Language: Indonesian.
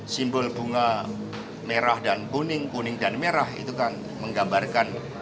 simbol bunga merah dan kuning kuning dan merah itu kan menggambarkan